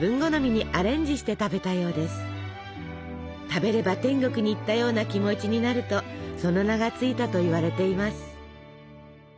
食べれば天国に行ったような気持ちになるとその名が付いたといわれています。